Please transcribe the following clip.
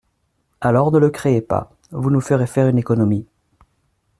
Alors, ne le créez pas : vous nous ferez faire une économie.